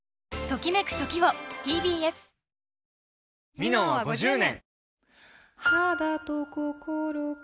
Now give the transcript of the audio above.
「ミノン」は５０年！